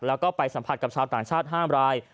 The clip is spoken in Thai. แล้วก็ไปสัมผัสกับชาวต่างชาติ๕ราย